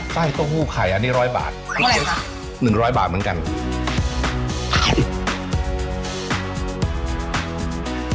ใกล้ต้นหู้ไข่อันนี้พอสัศวินมาก๑๐๐บาท